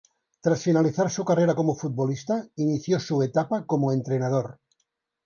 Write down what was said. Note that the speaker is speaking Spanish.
Tras finalizar su carrera como futbolista inició su etapa como entrenador.